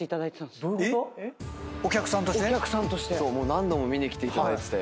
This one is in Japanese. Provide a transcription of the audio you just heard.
何度も見に来ていただいてて。